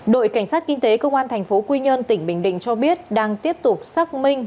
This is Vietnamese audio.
đội cảnh sát kinh tế công an thành phố quy nhơn tỉnh bình định cho biết đang tiếp tục xác minh